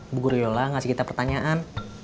ibu guru yola ngasih kita pertanyaan